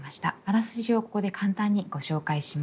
あらすじをここで簡単にご紹介します。